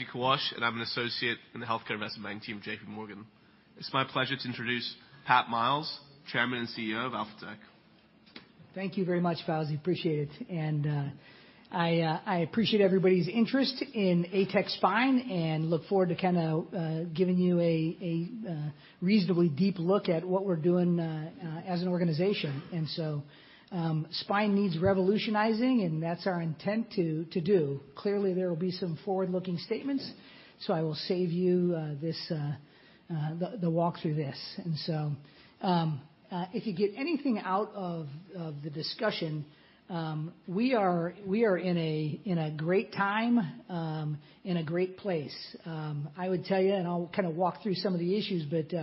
Hello and welcome. My name is Fawzi Kawash, and I'm an Associate in the Healthcare Investment Banking team at J.P. Morgan. It's my pleasure to introduce Pat Miles, Chairman and CEO of Alphatec. Thank you very much, Fawzi. Appreciate it. I appreciate everybody's interest in ATEC spine, and look forward to kinda giving you a reasonably deep look at what we're doing as an organization. Spine needs revolutionizing, and that's our intent to do. Clearly, there will be some forward-looking statements, so I will save you the walk through this. If you get anything out of the discussion, we are in a great time in a great place. I would tell you, and I'll kinda walk through some of the issues, but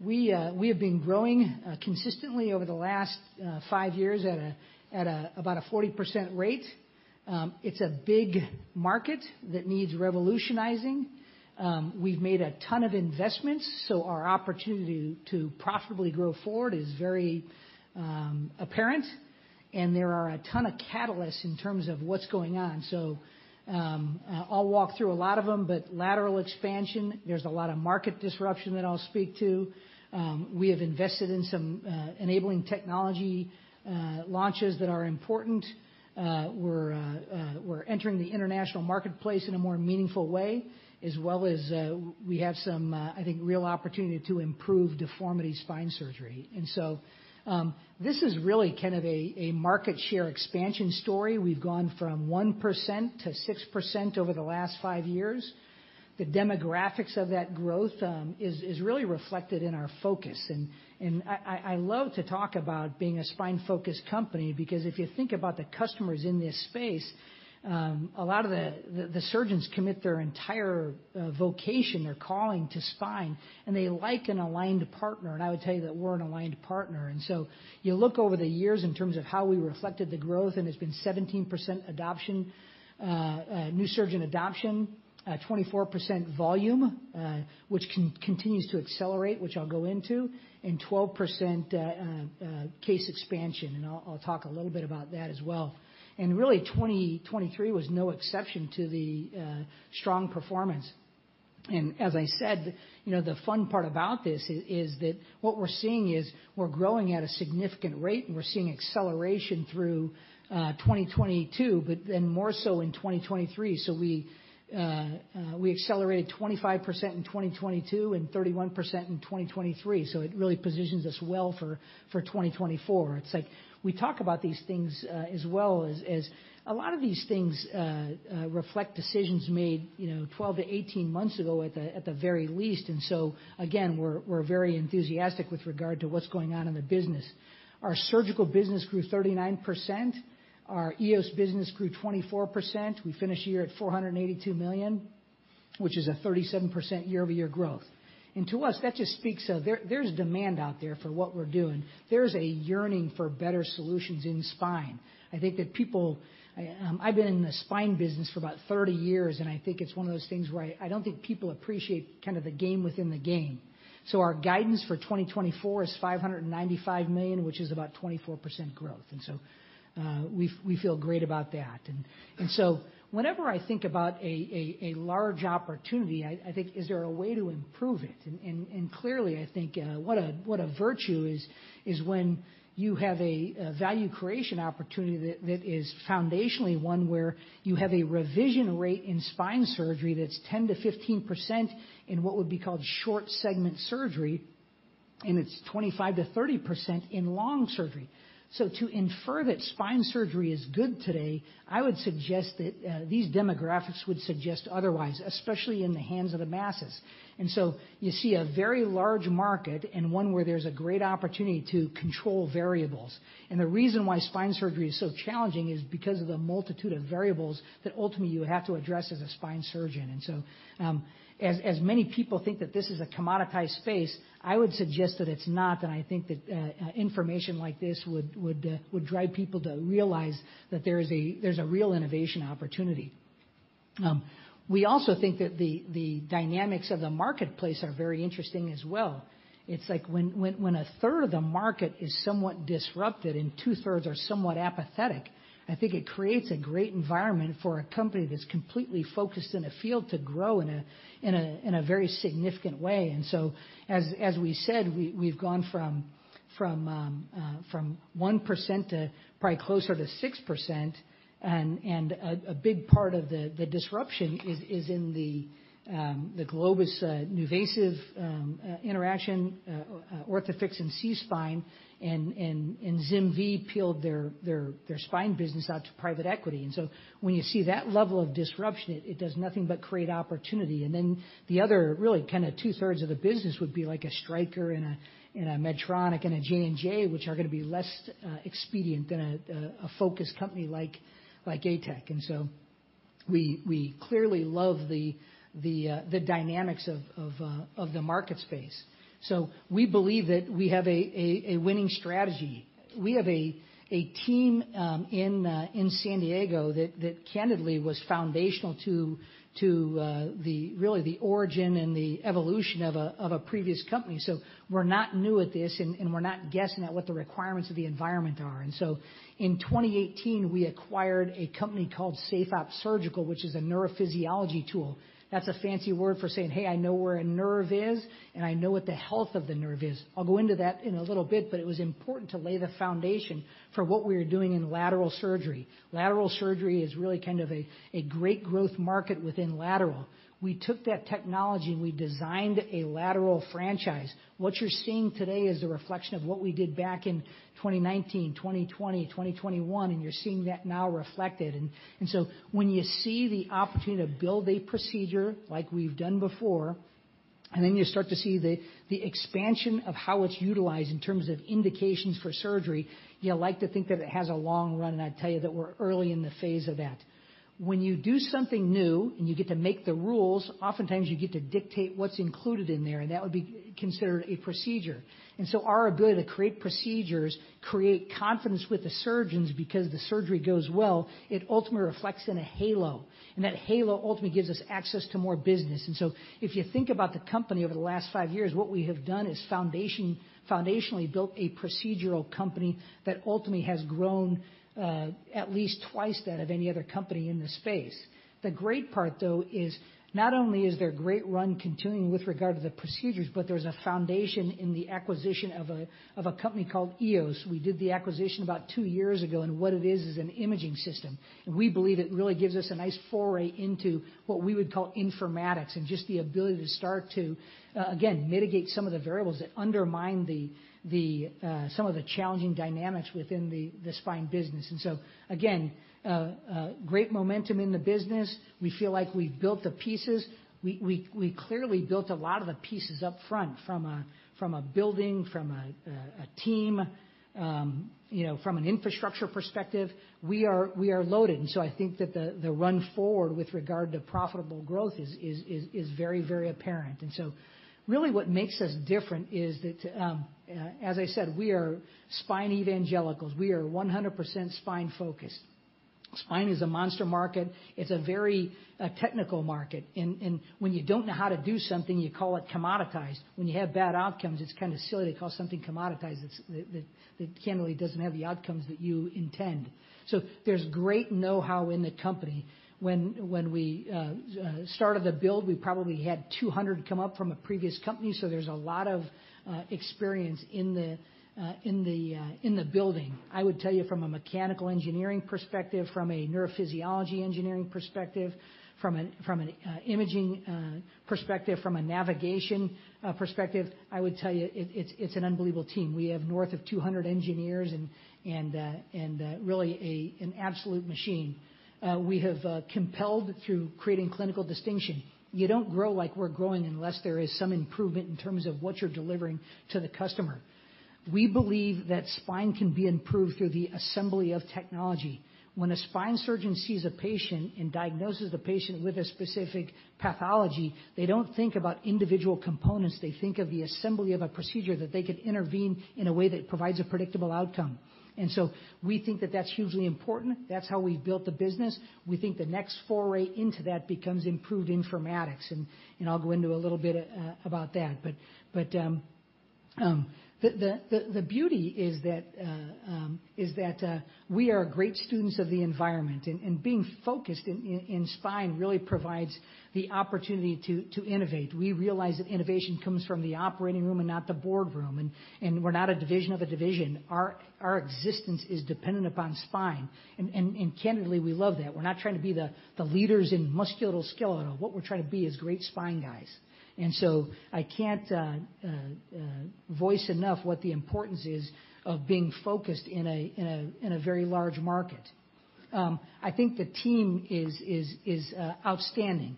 we have been growing consistently over the last five years at about a 40% rate. It's a big market that needs revolutionizing. We've made a ton of investments, so our opportunity to profitably grow forward is very apparent, and there are a ton of catalysts in terms of what's going on. So, I'll walk through a lot of them, but lateral expansion, there's a lot of market disruption that I'll speak to. We have invested in some enabling technology launches that are important. We're entering the international marketplace in a more meaningful way, as well as we have some, I think, real opportunity to improve deformity spine surgery. And so, this is really kind of a market share expansion story. We've gone from 1%-6% over the last five years. The demographics of that growth is really reflected in our focus. I love to talk about being a spine-focused company, because if you think about the customers in this space, a lot of the surgeons commit their entire vocation or calling to spine, and they like an aligned partner, and I would tell you that we're an aligned partner. So you look over the years in terms of how we reflected the growth, and it's been 17% adoption, new surgeon adoption, 24% volume, which continues to accelerate, which I'll go into, and 12% case expansion, and I'll talk a little bit about that as well. And really, 2023 was no exception to the strong performance. And as I said, you know, the fun part about this is that what we're seeing is we're growing at a significant rate, and we're seeing acceleration through 2022, but then more so in 2023. So we accelerated 25% in 2022 and 31% in 2023. So it really positions us well for 2024. It's like we talk about these things as well, as a lot of these things reflect decisions made, you know, 12 to 18 months ago at the very least. And so, again, we're very enthusiastic with regard to what's going on in the business. Our surgical business grew 39%. Our EOS business grew 24%. We finished the year at $482 million, which is a 37% year-over-year growth. To us, that just speaks to there, there's demand out there for what we're doing. There's a yearning for better solutions in spine. I think that people... I've been in the spine business for about 30 years, and I think it's one of those things where I don't think people appreciate kind of the game within the game. So our guidance for 2024 is $595 million, which is about 24% growth, and so we feel great about that. So whenever I think about a large opportunity, I think, is there a way to improve it? Clearly, I think what a virtue is when you have a value creation opportunity that is foundationally one where you have a revision rate in spine surgery that's 10%-15% in what would be called short segment surgery, and it's 25%-30% in long surgery. So to infer that spine surgery is good today, I would suggest that these demographics would suggest otherwise, especially in the hands of the masses. And so you see a very large market and one where there's a great opportunity to control variables. And the reason why spine surgery is so challenging is because of the multitude of variables that ultimately you have to address as a spine surgeon. And so, as many people think that this is a commoditized space, I would suggest that it's not, and I think that information like this would drive people to realize that there is a real innovation opportunity. We also think that the dynamics of the marketplace are very interesting as well. It's like when a third of the market is somewhat disrupted and 2/3 are somewhat apathetic, I think it creates a great environment for a company that's completely focused in a field to grow in a very significant way. And so as we said, we've gone from 1% to probably closer to 6%, and a big part of the disruption is in the Globus NuVasive interaction, Orthofix and SeaSpine and ZimVie peeled their Spine business out to private equity. And so when you see that level of disruption, it does nothing but create opportunity. And then the other really kinda 2/3 of the business would be like a Stryker and a Medtronic and a J&J, which are gonna be less expedient than a focused company like ATEC. And so we clearly love the dynamics of the market space. So we believe that we have a winning strategy. We have a team in San Diego that candidly was foundational, really, to the origin and the evolution of a previous company. So we're not new at this, and we're not guessing at what the requirements of the environment are. So in 2018, we acquired a company called SafeOp Surgical, which is a neurophysiology tool. That's a fancy word for saying, "Hey, I know where a nerve is, and I know what the health of the nerve is." I'll go into that in a little bit, but it was important to lay the foundation for what we were doing in lateral surgery. Lateral surgery is really kind of a great growth market within lateral. We took that technology, and we designed a lateral franchise. What you're seeing today is a reflection of what we did back in 2019, 2020, 2021, and you're seeing that now reflected. And, and so when you see the opportunity to build a procedure like we've done before, and then you start to see the, the expansion of how it's utilized in terms of indications for surgery, you like to think that it has a long run, and I'd tell you that we're early in the phase of that. When you do something new, and you get to make the rules, oftentimes you get to dictate what's included in there, and that would be considered a procedure. And so our goal to create procedures, create confidence with the surgeons because the surgery goes well, it ultimately reflects in a halo, and that halo ultimately gives us access to more business. And so if you think about the company over the last five years, what we have done is foundationally built a procedural company that ultimately has grown at least twice that of any other company in the space. The great part, though, is not only is their great run continuing with regard to the procedures, but there's a foundation in the acquisition of a company called EOS. We did the acquisition about two years ago, and what it is is an imaging system. We believe it really gives us a nice foray into what we would call informatics and just the ability to start to again mitigate some of the variables that undermine some of the challenging dynamics within the spine business. So again great momentum in the business. We feel like we've built the pieces. We clearly built a lot of the pieces up front, from a building, from a team, you know, from an infrastructure perspective, we are loaded. And so I think that the run forward with regard to profitable growth is very apparent. And so really what makes us different is that, as I said, we are spine evangelicals. We are 100% spine-focused. Spine is a monster market. It's a very technical market. And when you don't know how to do something, you call it commoditized. When you have bad outcomes, it's kinda silly to call something commoditized. It's that candidly doesn't have the outcomes that you intend. So there's great know-how in the company. When we started the build, we probably had 200 come up from a previous company, so there's a lot of experience in the building. I would tell you from a mechanical engineering perspective, from a neurophysiology engineering perspective, from an imaging perspective, from a navigation perspective, I would tell you it's an unbelievable team. We have north of 200 engineers and really an absolute machine. We have compelled through creating clinical distinction. You don't grow like we're growing unless there is some improvement in terms of what you're delivering to the customer. We believe that spine can be improved through the assembly of technology. When a spine surgeon sees a patient and diagnoses the patient with a specific pathology, they don't think about individual components. They think of the assembly of a procedure that they could intervene in a way that provides a predictable outcome. And so we think that that's hugely important. That's how we've built the business. We think the next foray into that becomes improved informatics, and I'll go into a little bit about that. But the beauty is that we are great students of the environment, and being focused in spine really provides the opportunity to innovate. We realize that innovation comes from the operating room and not the boardroom, and we're not a division of a division. Our existence is dependent upon spine, and candidly, we love that. We're not trying to be the leaders in musculoskeletal. What we're trying to be is great spine guys. So I can't voice enough what the importance is of being focused in a very large market. I think the team is outstanding.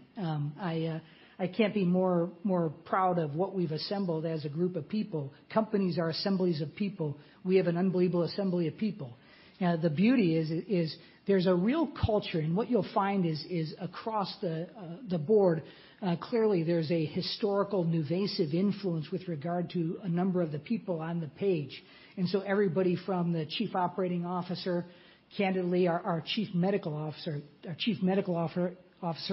I can't be more proud of what we've assembled as a group of people. Companies are assemblies of people. We have an unbelievable assembly of people. The beauty is there's a real culture, and what you'll find is across the board, clearly there's a historical NuVasive influence with regard to a number of the people on the page. So everybody from the Chief Operating Officer, candidly, our Chief Medical Officer,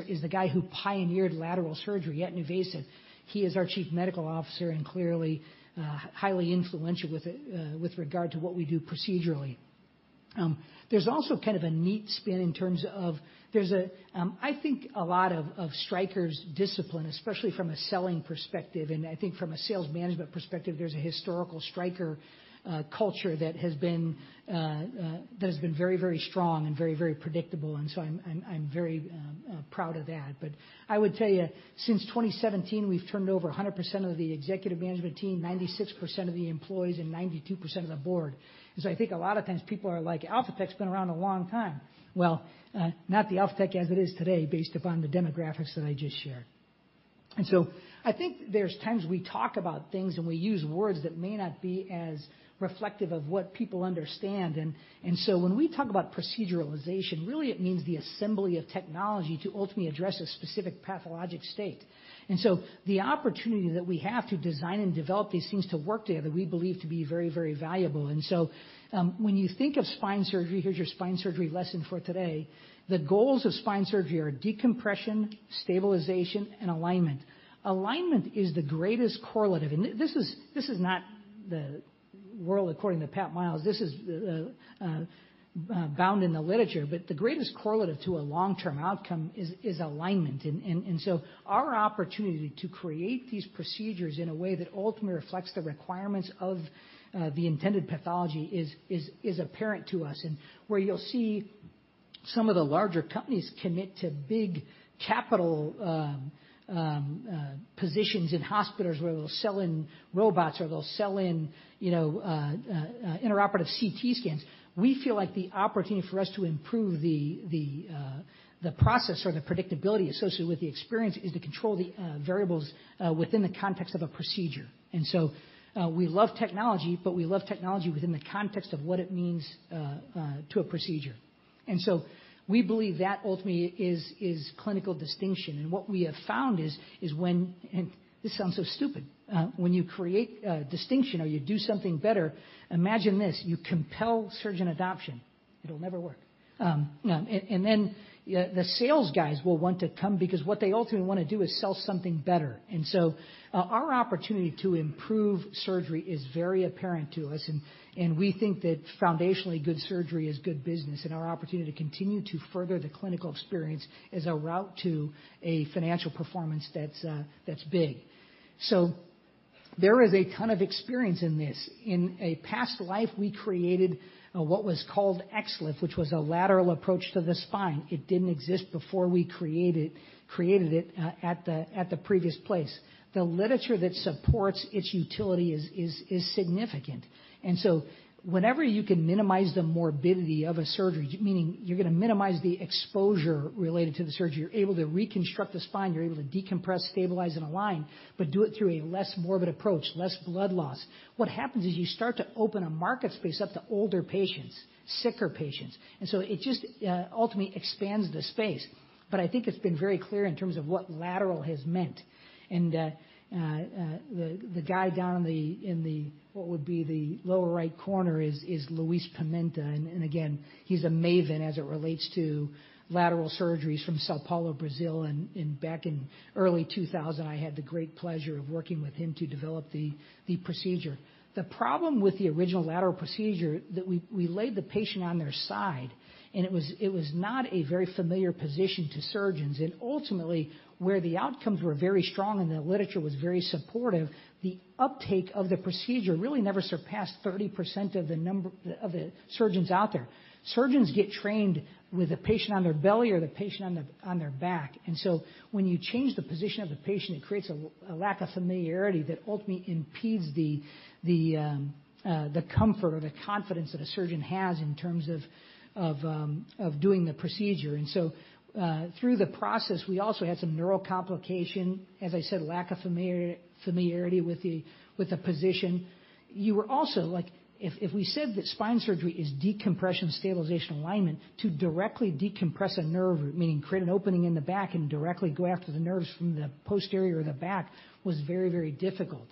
is the guy who pioneered lateral surgery at NuVasive. He is our Chief Medical Officer and clearly, highly influential with, with regard to what we do procedurally. There's also kind of a neat spin in terms of there's a... I think a lot of Stryker's discipline, especially from a selling perspective, and I think from a sales management perspective, there's a historical Stryker culture that has been, that has been very, very strong and very, very predictable, and so I'm very proud of that. But I would tell you, since 2017, we've turned over 100% of the executive management team, 96% of the employees, and 92% of the board. And so I think a lot of times people are like, Alphatec's been around a long time. Well, not the Alphatec as it is today, based upon the demographics that I just shared. And so I think there's times we talk about things, and we use words that may not be as reflective of what people understand. And so when we talk about proceduralization, really it means the assembly of technology to ultimately address a specific pathologic state. And so the opportunity that we have to design and develop these things to work together, we believe to be very, very valuable. And so, when you think of spine surgery, here's your spine surgery lesson for today. The goals of spine surgery are decompression, stabilization, and alignment. Alignment is the greatest correlative. And this is not the world according to Pat Miles. This is the found in the literature, but the greatest correlative to a long-term outcome is alignment. So our opportunity to create these procedures in a way that ultimately reflects the requirements of the intended pathology is apparent to us. Where you'll see some of the larger companies commit to big capital positions in hospitals where they'll sell in robots or they'll sell in, you know, intraoperative CT scans. We feel like the opportunity for us to improve the process or the predictability associated with the experience is to control the variables within the context of a procedure. So we love technology, but we love technology within the context of what it means to a procedure. We believe that ultimately is clinical distinction. What we have found is when... This sounds so stupid. When you create a distinction or you do something better, imagine this, you compel surgeon adoption. It'll never work. And then, the sales guys will want to come because what they ultimately wanna do is sell something better. And so, our opportunity to improve surgery is very apparent to us, and we think that foundationally, good surgery is good business, and our opportunity to continue to further the clinical experience is a route to a financial performance that's big. So there is a ton of experience in this. In a past life, we created what was called XLIF, which was a lateral approach to the spine. It didn't exist before we created it at the previous place. The literature that supports its utility is significant. So whenever you can minimize the morbidity of a surgery, meaning you're gonna minimize the exposure related to the surgery, you're able to reconstruct the spine, you're able to decompress, stabilize, and align, but do it through a less morbid approach, less blood loss. What happens is you start to open a market space up to older patients, sicker patients, and so it just ultimately expands the space. But I think it's been very clear in terms of what lateral has meant. The guy down in the lower right corner is Luiz Pimenta, and again, he's a maven as it relates to lateral surgeries from São Paulo, Brazil. Back in early 2000, I had the great pleasure of working with him to develop the procedure. The problem with the original lateral procedure, that we laid the patient on their side, and it was not a very familiar position to surgeons. Ultimately, where the outcomes were very strong and the literature was very supportive, the uptake of the procedure really never surpassed 30% of the number of the surgeons out there. Surgeons get trained with a patient on their belly or the patient on their back. So when you change the position of the patient, it creates a lack of familiarity that ultimately impedes the comfort or the confidence that a surgeon has in terms of doing the procedure. So through the process, we also had some neural complication. As I said, lack of familiarity with the position. You were also like, if we said that spine surgery is decompression, stabilization, alignment, to directly decompress a nerve, meaning create an opening in the back and directly go after the nerves from the posterior or the back, was very, very difficult.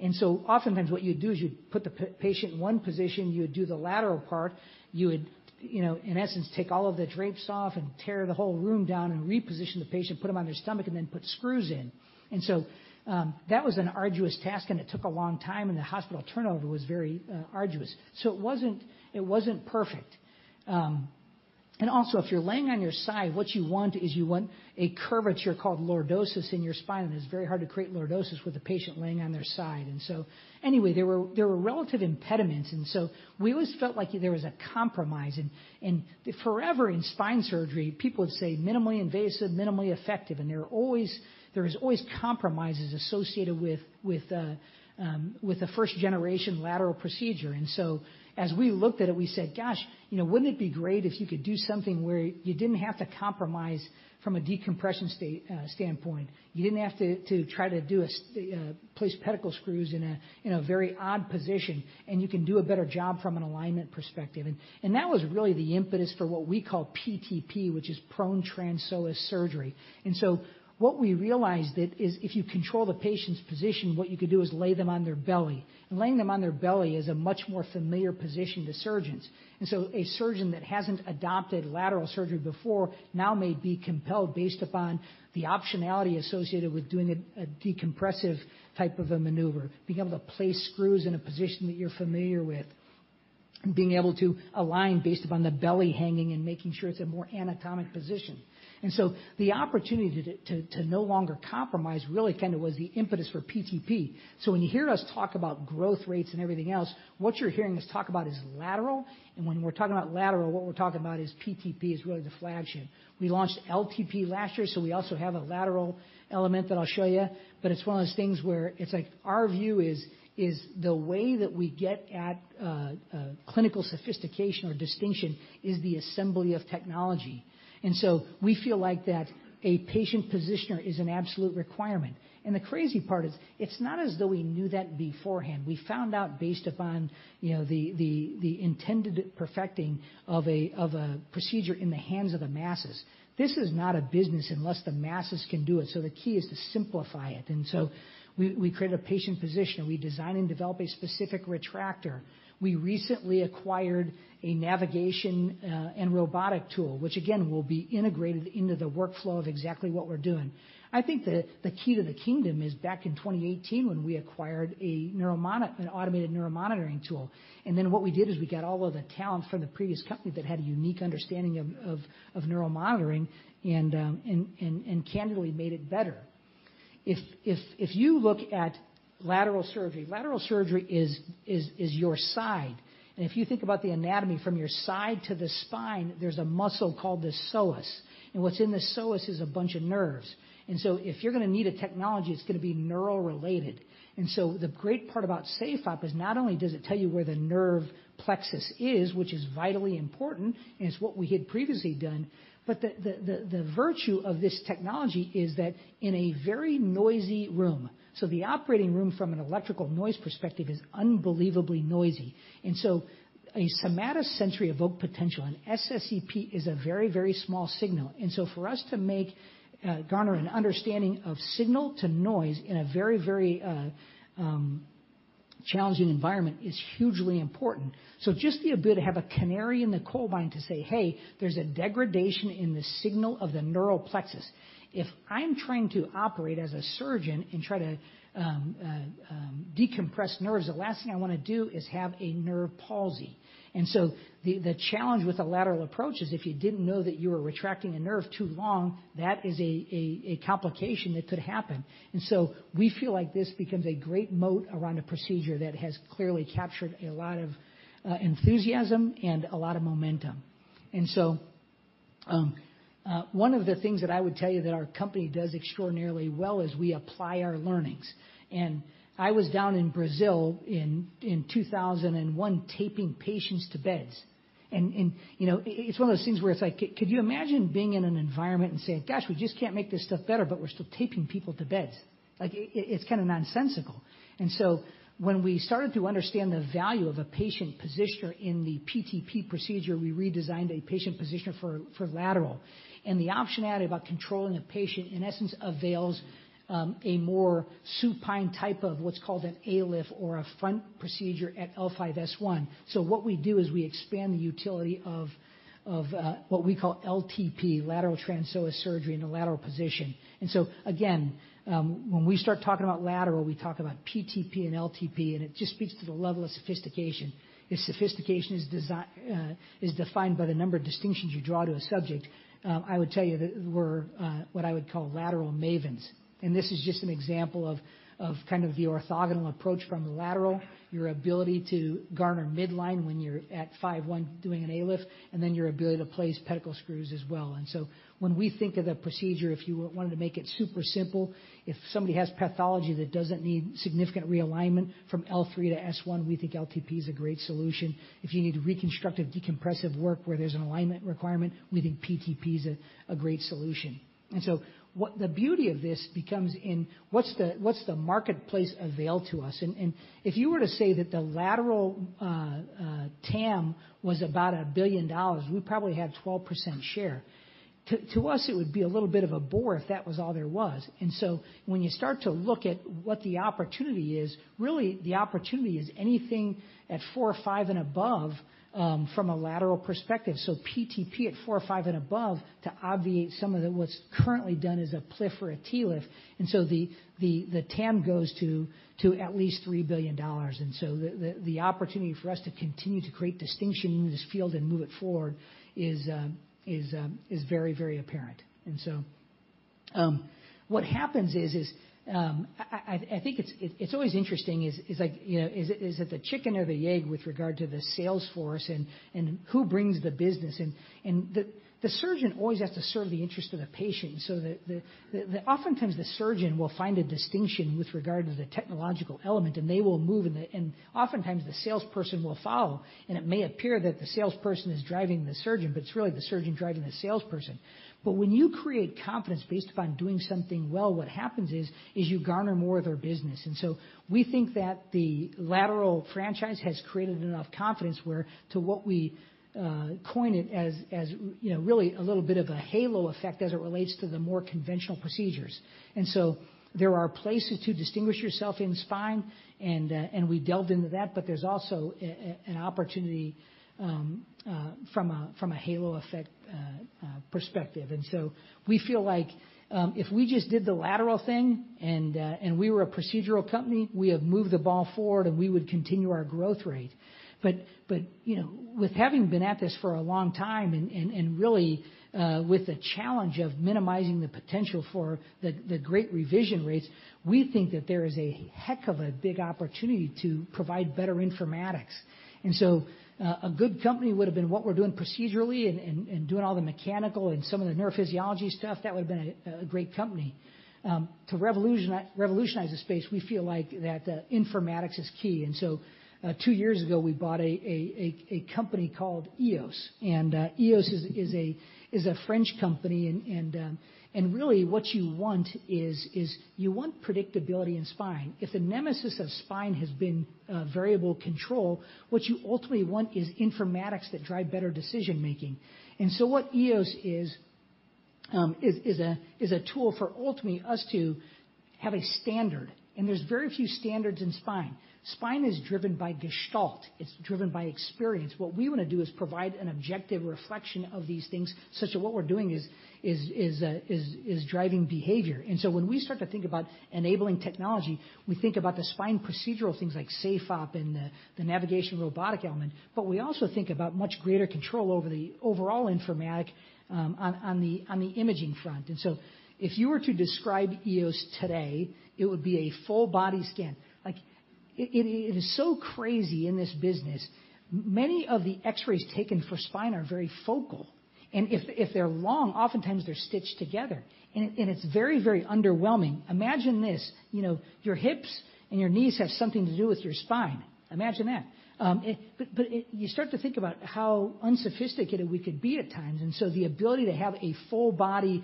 And so oftentimes, what you'd do is you'd put the patient in one position, you would do the lateral part, you would, you know, in essence, take all of the drapes off and tear the whole room down and reposition the patient, put them on their stomach, and then put screws in. And so, that was an arduous task, and it took a long time, and the hospital turnover was very, arduous. So it wasn't, it wasn't perfect. And also, if you're laying on your side, what you want is you want a curvature called lordosis in your spine, and it's very hard to create lordosis with the patient laying on their side. And so anyway, there were relative impediments, and so we always felt like there was a compromise. And forever in spine surgery, people would say minimally invasive, minimally effective, and there is always compromises associated with a first-generation lateral procedure. And so as we looked at it, we said, "Gosh, you know, wouldn't it be great if you could do something where you didn't have to compromise from a decompression standpoint? You didn't have to, to try to do a place pedicle screws in a, in a very odd position, and you can do a better job from an alignment perspective." And that was really the impetus for what we call PTP, which is prone transpsoas surgery. So what we realized that is if you control the patient's position, what you can do is lay them on their belly. Laying them on their belly is a much more familiar position to surgeons. So a surgeon that hasn't adopted lateral surgery before now may be compelled, based upon the optionality associated with doing a decompressive type of a maneuver. Being able to place screws in a position that you're familiar with, being able to align based upon the belly hanging and making sure it's a more anatomic position. And so the opportunity to no longer compromise really kinda was the impetus for PTP. So when you hear us talk about growth rates and everything else, what you're hearing us talk about is lateral. And when we're talking about lateral, what we're talking about is PTP is really the flagship. We launched LTP last year, so we also have a lateral element that I'll show you, but it's one of those things where it's like our view is the way that we get at clinical sophistication or distinction is the assembly of technology. And so we feel like that a patient positioner is an absolute requirement. And the crazy part is, it's not as though we knew that beforehand. We found out based upon, you know, the intended perfecting of a procedure in the hands of the masses. This is not a business unless the masses can do it, so the key is to simplify it. So we created a patient position. We designed and developed a specific retractor. We recently acquired a navigation and robotic tool, which, again, will be integrated into the workflow of exactly what we're doing. I think the key to the kingdom is back in 2018, when we acquired an automated neuromonitoring tool. And then what we did is we got all of the talent from the previous company that had a unique understanding of neuromonitoring and candidly made it better. If you look at lateral surgery, lateral surgery is your side. If you think about the anatomy from your side to the spine, there's a muscle called the psoas, and what's in the psoas is a bunch of nerves. So if you're gonna need a technology, it's gonna be neural-related. And so the great part about SafeOp is not only does it tell you where the nerve plexus is, which is vitally important and it's what we had previously done, but the virtue of this technology is that in a very noisy room. So the operating room, from an electrical noise perspective, is unbelievably noisy. And so a somatosensory evoked potential, an SSEP, is a very, very small signal. And so for us to garner an understanding of signal to noise in a very, very challenging environment is hugely important. So just the ability to have a canary in the coal mine to say, "Hey, there's a degradation in the signal of the neural plexus." If I'm trying to operate as a surgeon and try to decompress nerves, the last thing I wanna do is have a nerve palsy. And so the challenge with a lateral approach is if you didn't know that you were retracting a nerve too long, that is a complication that could happen. And so we feel like this becomes a great moat around a procedure that has clearly captured a lot of enthusiasm and a lot of momentum. And so one of the things that I would tell you that our company does extraordinarily well is we apply our learnings. And I was down in Brazil in 2001, taping patients to beds. You know, it's one of those things where it's like, could you imagine being in an environment and saying, "Gosh, we just can't make this stuff better, but we're still taping people to beds?" Like, it's kinda nonsensical. And so when we started to understand the value of a patient positioner in the PTP procedure, we redesigned a patient positioner for lateral. And the option added about controlling a patient, in essence, avails a more supine type of what's called an ALIF or a front procedure at L5-S1. So what we do is we expand the utility of what we call LTP, lateral transpsoas surgery in a lateral position. And so again, when we start talking about lateral, we talk about PTP and LTP, and it just speaks to the level of sophistication. If sophistication is defined by the number of distinctions you draw to a subject, I would tell you that we're what I would call lateral mavens. And this is just an example of kind of the orthogonal approach from the lateral, your ability to garner midline when you're at L5-S1 doing an ALIF, and then your ability to place pedicle screws as well. And so when we think of the procedure, if you wanted to make it super simple, if somebody has pathology that doesn't need significant realignment from L3 to S1, we think LTP is a great solution. If you need reconstructive, decompressive work where there's an alignment requirement, we think PTP is a great solution. And so the beauty of this becomes in what's the marketplace available to us? And if you were to say that the lateral TAM was about $1 billion, we probably had 12% share. To us, it would be a little bit of a bore if that was all there was. And so when you start to look at what the opportunity is, really, the opportunity is anything at four, five, and above, from a lateral perspective. So PTP at four, five, and above, to obviate some of the what's currently done as a PLIF or a TLIF, and so the TAM goes to at least $3 billion. And so the opportunity for us to continue to create distinction in this field and move it forward is very, very apparent. And so, what happens is, I think it's always interesting, like, you know, is it the chicken or the egg with regard to the sales force and who brings the business? And the surgeon always has to serve the interest of the patient, so oftentimes the surgeon will find a distinction with regard to the technological element, and they will move, and oftentimes the salesperson will follow, and it may appear that the salesperson is driving the surgeon, but it's really the surgeon driving the salesperson. But when you create confidence based upon doing something well, what happens is you garner more of their business. And so we think that the lateral franchise has created enough confidence where to what we coin it as, you know, really a little bit of a halo effect as it relates to the more conventional procedures. And so there are places to distinguish yourself in spine, and we delved into that, but there's also an opportunity from a halo effect perspective. And so we feel like, if we just did the lateral thing and we were a procedural company, we have moved the ball forward, and we would continue our growth rate. But, you know, with having been at this for a long time and really, with the challenge of minimizing the potential for the great revision rates, we think that there is a heck of a big opportunity to provide better informatics. And so, a good company would have been what we're doing procedurally and doing all the mechanical and some of the neurophysiology stuff. That would have been a great company. To revolutionize the space, we feel like that informatics is key. And so, two years ago, we bought a company called EOS, and EOS is a French company. And really what you want is you want predictability in spine. If the nemesis of spine has been variable control, what you ultimately want is informatics that drive better decision-making. And so what EOS is a tool for ultimately us to have a standard, and there's very few standards in spine. Spine is driven by gestalt. It's driven by experience. What we wanna do is provide an objective reflection of these things, such that what we're doing is driving behavior. And so when we start to think about enabling technology, we think about the spine procedural things like SafeOp and the navigation robotic element. But we also think about much greater control over the overall informatics on the imaging front. And so if you were to describe EOS today, it would be a full body scan. Like, it is so crazy in this business. Many of the X-rays taken for spine are very focal, and if they're long, oftentimes they're stitched together, and it's very, very underwhelming. Imagine this, you know, your hips and your knees have something to do with your spine. Imagine that. But it you start to think about how unsophisticated we could be at times, and so the ability to have a full body,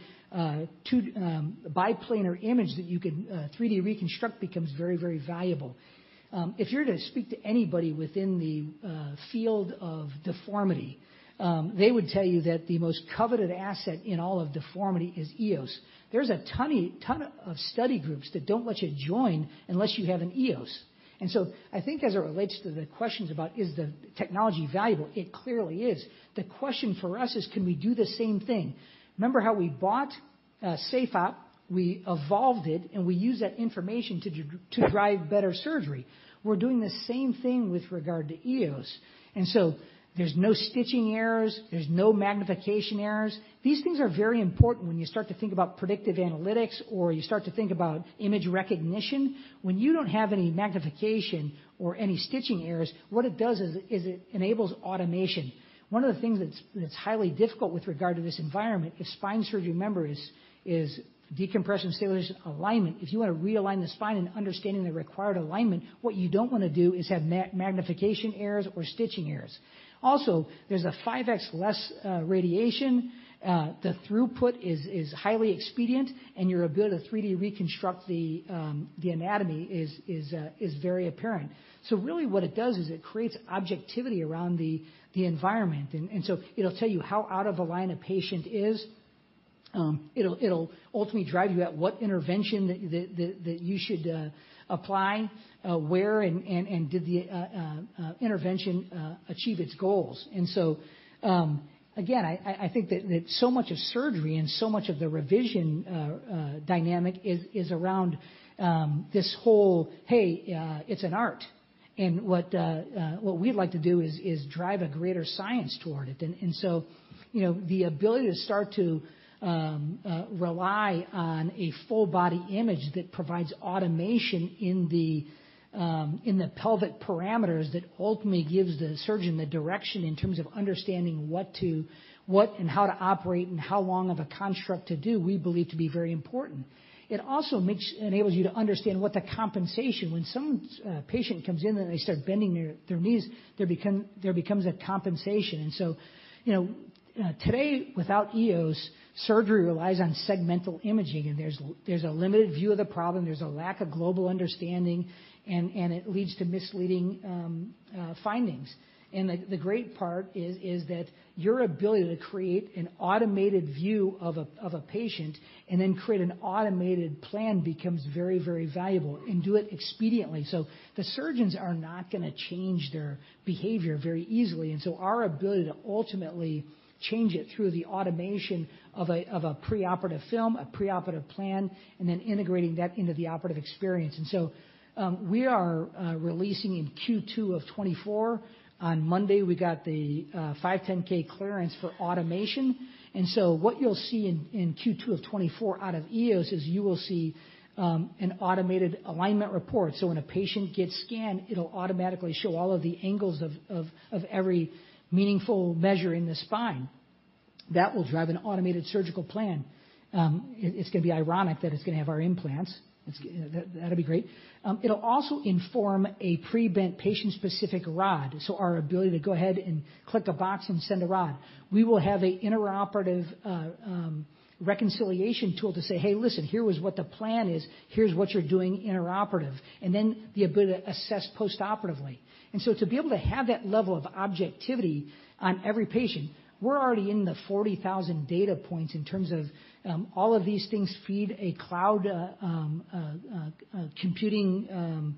two biplanar image that you can 3-D reconstruct becomes very, very valuable. If you're to speak to anybody within the field of deformity, they would tell you that the most coveted asset in all of deformity is EOS. There's a ton of study groups that don't let you join unless you have an EOS. So I think as it relates to the questions about, is the technology valuable? It clearly is. The question for us is, can we do the same thing? Remember how we bought SafeOp, we evolved it, and we used that information to drive better surgery. We're doing the same thing with regard to EOS, and so there's no stitching errors, there's no magnification errors. These things are very important when you start to think about predictive analytics or you start to think about image recognition. When you don't have any magnification or any stitching errors, what it does is it enables automation. One of the things that's highly difficult with regard to this environment is spine surgery. Remember, is decompression, stabilization, alignment. If you wanna realign the spine and understanding the required alignment, what you don't wanna do is have magnification errors or stitching errors. Also, there's a 5x less radiation, the throughput is highly expedient, and your ability to 3-D reconstruct the anatomy is very apparent. So really what it does is it creates objectivity around the environment. And so it'll tell you how out of align a patient is. It'll ultimately drive you at what intervention that you should apply, where and did the intervention achieve its goals? And so, again, I think that so much of surgery and so much of the revision dynamic is around this whole, hey, it's an art. What we'd like to do is drive a greater science toward it. And so, you know, the ability to start to rely on a full body image that provides automation in the pelvic parameters that ultimately gives the surgeon the direction in terms of understanding what and how to operate, and how long of a construct to do, we believe to be very important. It also enables you to understand what the compensation. When some patient comes in and they start bending their knees, there becomes a compensation. And so, you know, today, without EOS, surgery relies on segmental imaging, and there's a limited view of the problem, there's a lack of global understanding, and it leads to misleading findings. And the great part is that your ability to create an automated view of a patient and then create an automated plan becomes very, very valuable, and do it expediently. So the surgeons are not gonna change their behavior very easily. And so our ability to ultimately change it through the automation of a preoperative film, a preoperative plan, and then integrating that into the operative experience. And so we are releasing in Q2 of 2024. On Monday, we got the 510(k) clearance for automation. And so what you'll see in Q2 of 2024 out of EOS is you will see an automated alignment report. So when a patient gets scanned, it'll automatically show all of the angles of every meaningful measure in the spine. That will drive an automated surgical plan. It's gonna be ironic that it's gonna have our implants. It'll be great. It'll also inform a pre-bent patient-specific rod, so our ability to go ahead and click a box and send a rod. We will have a intraoperative reconciliation tool to say, "Hey, listen, here is what the plan is. Here's what you're doing intraoperative." And then the ability to assess postoperatively. And so to be able to have that level of objectivity on every patient, we're already in the 40,000 data points in terms of all of these things feed a cloud computing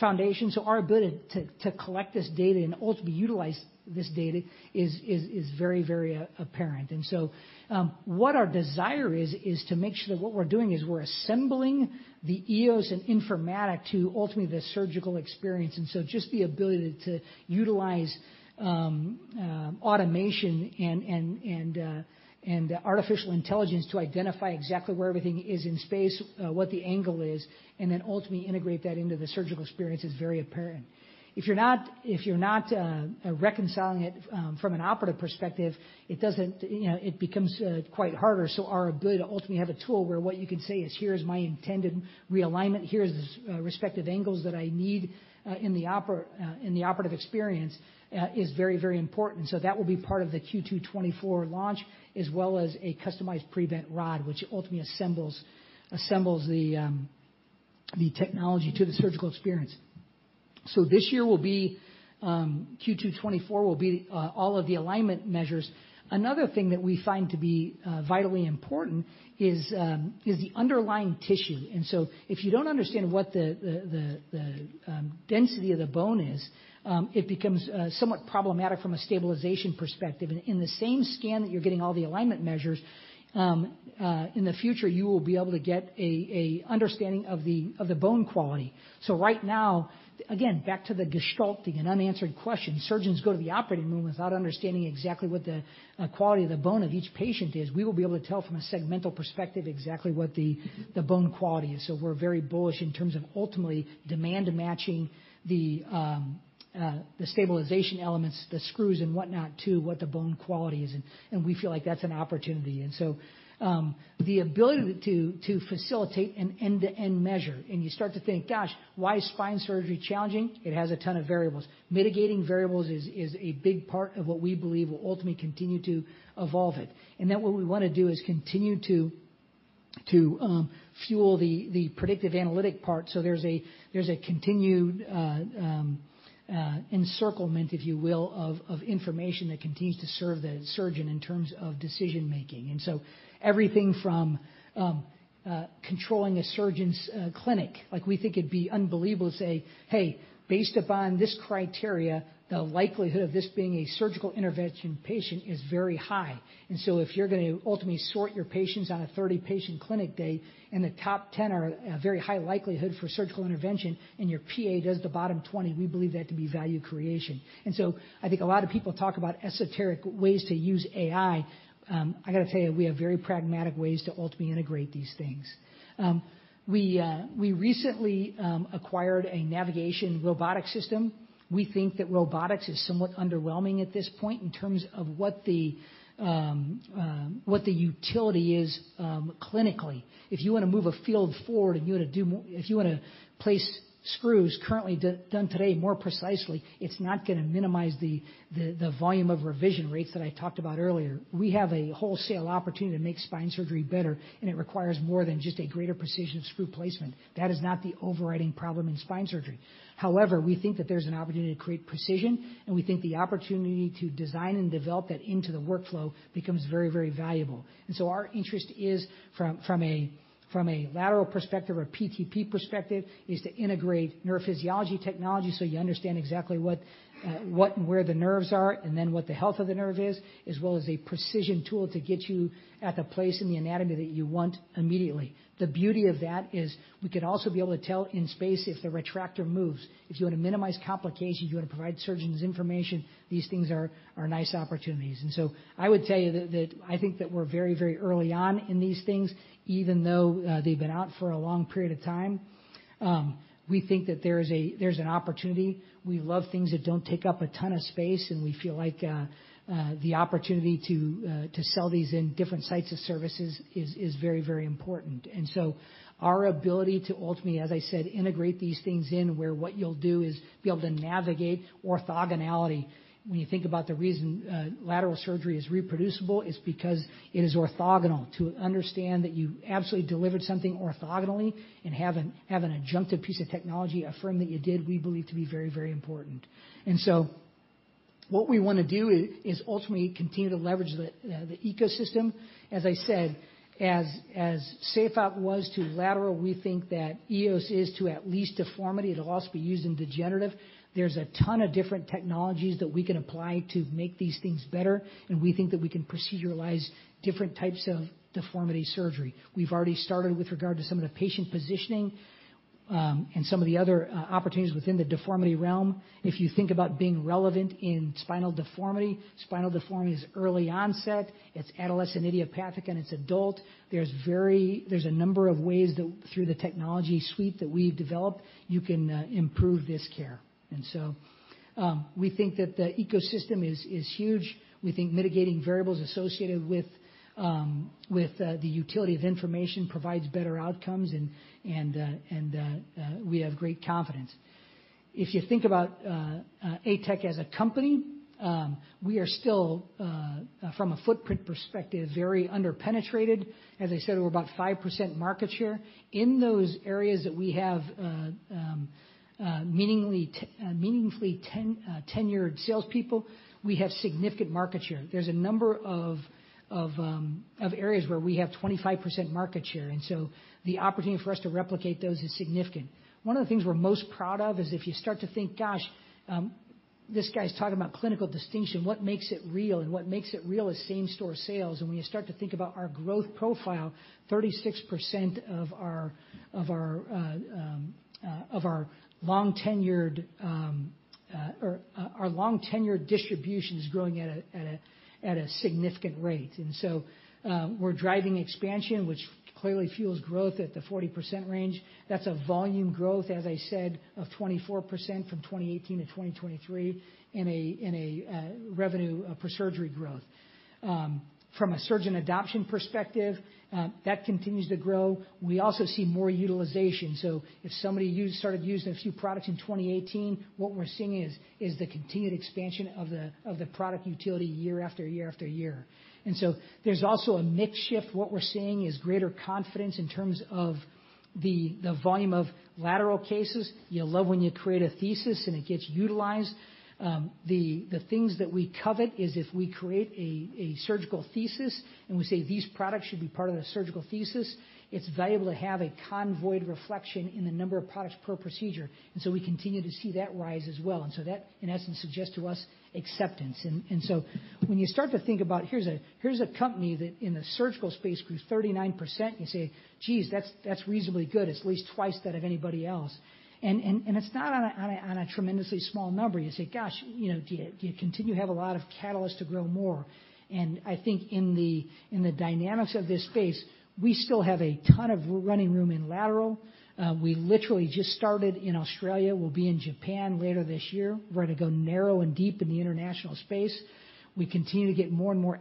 foundation. So our ability to collect this data and ultimately utilize this data is very, very apparent. And so, what our desire is to make sure that what we're doing is we're assembling the EOS and Informatics to ultimately the surgical experience. And so just the ability to utilize automation and artificial intelligence to identify exactly where everything is in space, what the angle is, and then ultimately integrate that into the surgical experience is very apparent. If you're not reconciling it from an operative perspective, it doesn't, you know, it becomes quite harder. So our ability to ultimately have a tool where what you can say is, "Here's my intended realignment, here's the respective angles that I need in the operative experience," is very, very important. So that will be part of the Q2 2024 launch, as well as a customized pre-bent rod, which ultimately assembles the technology to the surgical experience. So this year will be Q2 2024 will be all of the alignment measures. Another thing that we find to be vitally important is the underlying tissue. And so if you don't understand what the density of the bone is, it becomes somewhat problematic from a stabilization perspective. And in the same scan that you're getting all the alignment measures, in the future, you will be able to get an understanding of the bone quality. So right now, again, back to the gestalting and unanswered questions, surgeons go to the operating room without understanding exactly what the quality of the bone of each patient is. We will be able to tell from a segmental perspective exactly what the bone quality is. So we're very bullish in terms of ultimately demand matching the stabilization elements, the screws and whatnot, to what the bone quality is, and we feel like that's an opportunity. So the ability to facilitate an end-to-end measure, and you start to think, gosh, why is spine surgery challenging? It has a ton of variables. Mitigating variables is a big part of what we believe will ultimately continue to evolve it. And then what we wanna do is continue to fuel the predictive analytic part. So there's a continued encirclement, if you will, of information that continues to serve the surgeon in terms of decision making. And so everything from controlling a surgeon's clinic. Like, we think it'd be unbelievable to say, "Hey, based upon this criteria, the likelihood of this being a surgical intervention patient is very high." And so if you're gonna ultimately sort your patients on a 30-patient clinic day, and the top 10 are a very high likelihood for surgical intervention, and your PA does the bottom 20, we believe that to be value creation. And so I think a lot of people talk about esoteric ways to use AI. I gotta tell you, we have very pragmatic ways to ultimately integrate these things. We recently acquired a navigation robotic system. We think that robotics is somewhat underwhelming at this point in terms of what the utility is, clinically. If you wanna move a field forward, and you wanna do more, if you wanna place screws currently done today more precisely, it's not gonna minimize the volume of revision rates that I talked about earlier. We have a wholesale opportunity to make spine surgery better, and it requires more than just a greater precision of screw placement. That is not the overriding problem in spine surgery. However, we think that there's an opportunity to create precision, and we think the opportunity to design and develop that into the workflow becomes very, very valuable. And so our interest is from a lateral perspective or PTP perspective, is to integrate neurophysiology technology so you understand exactly what and where the nerves are, and then what the health of the nerve is, as well as a precision tool to get you at the place in the anatomy that you want immediately. The beauty of that is we can also be able to tell in space if the retractor moves. If you wanna minimize complications, you wanna provide surgeons information, these things are nice opportunities. And so I would tell you that I think that we're very, very early on in these things, even though they've been out for a long period of time. We think that there's an opportunity. We love things that don't take up a ton of space, and we feel like the opportunity to sell these in different sites of services is very, very important. And so our ability to ultimately, as I said, integrate these things in, where what you'll do is be able to navigate orthogonality. When you think about the reason lateral surgery is reproducible, it's because it is orthogonal. To understand that you absolutely delivered something orthogonally and have an adjunctive piece of technology affirm that you did, we believe to be very, very important. And so what we wanna do is ultimately continue to leverage the ecosystem. As I said, as SafeOp was to lateral, we think that EOS is to at least deformity. It'll also be used in degenerative. There's a ton of different technologies that we can apply to make these things better, and we think that we can proceduralize different types of deformity surgery. We've already started with regard to some of the patient positioning and some of the other opportunities within the deformity realm. If you think about being relevant in spinal deformity, spinal deformity is early onset, it's adolescent idiopathic, and it's adult. There's a number of ways that through the technology suite that we've developed, you can improve this care. And so, we think that the ecosystem is huge. We think mitigating variables associated with the utility of information provides better outcomes, and we have great confidence. If you think about ATEC as a company, we are still, from a footprint perspective, very underpenetrated. As I said, we're about 5% market share. In those areas that we have meaningfully tenured salespeople, we have significant market share. There's a number of areas where we have 25% market share, and so the opportunity for us to replicate those is significant. One of the things we're most proud of is if you start to think, gosh, this guy's talking about clinical distinction, what makes it real? And what makes it real is same-store sales. And when you start to think about our growth profile, 36% of our long-tenured distribution is growing at a significant rate. And so, we're driving expansion, which clearly fuels growth at the 40% range. That's a volume growth, as I said, of 24% from 2018 to 2023 in revenue per surgery growth. From a surgeon adoption perspective, that continues to grow. We also see more utilization. So if somebody started using a few products in 2018, what we're seeing is the continued expansion of the product utility year after year after year. And so there's also a mix shift. What we're seeing is greater confidence in terms of the volume of lateral cases. You love when you create a thesis and it gets utilized. The things that we covet is if we create a surgical thesis and we say these products should be part of the surgical thesis, it's valuable to have a quantified reflection in the number of products per procedure. And so we continue to see that rise as well. And so that, in essence, suggests to us acceptance. And, and so when you start to think about here's a, here's a company that in the surgical space grew 39%, you say, geez, that's, that's reasonably good. It's at least twice that of anybody else. And, and, and it's not on a, on a, on a tremendously small number. You say, gosh, you know, do you, do you continue to have a lot of catalysts to grow more? And I think in the, in the dynamics of this space, we still have a ton of running room in lateral. We literally just started in Australia. We'll be in Japan later this year. We're going to go narrow and deep in the international space. We continue to get more and more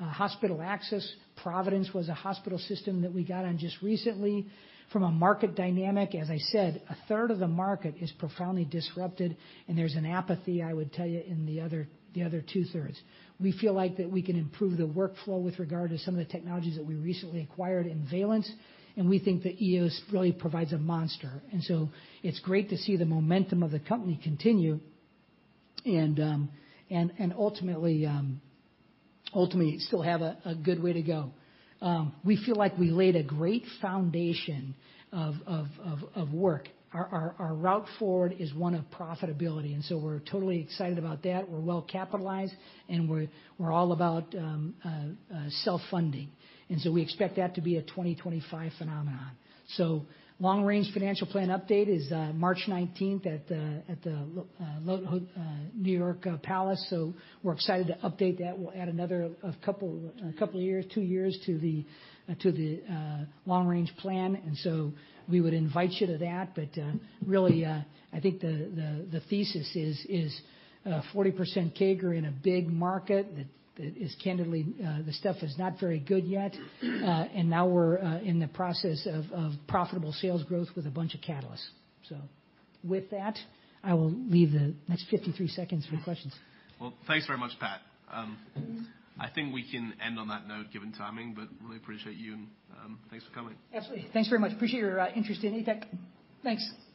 hospital access. Providence was a hospital system that we got on just recently. From a market dynamic, as I said, a third of the market is profoundly disrupted, and there's an apathy, I would tell you, in the other 2/3. We feel like that we can improve the workflow with regard to some of the technologies that we recently acquired in Valence, and we think that EOS really provides a monster. And so it's great to see the momentum of the company continue, and ultimately still have a good way to go. We feel like we laid a great foundation of work. Our route forward is one of profitability, and so we're totally excited about that. We're well capitalized, and we're all about self-funding, and so we expect that to be a 2025 phenomenon. So long-range financial plan update is March 19th at the New York Palace. So we're excited to update that. We'll add another couple of years, two years to the long-range plan, and so we would invite you to that. But really, I think the thesis is 40% CAGR in a big market that is candidly the stuff is not very good yet. And now we're in the process of profitable sales growth with a bunch of catalysts. So with that, I will leave the next 53 seconds for questions. Well, thanks very much, Pat. I think we can end on that note, given timing, but really appreciate you, and, thanks for coming. Absolutely. Thanks very much. Appreciate your interest in ATEC. Thanks. Thanks.